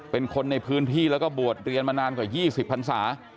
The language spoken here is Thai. เป็นคนในพื้นที่แล้วก็บวชเรียนมานานกว่า๒๐พันศา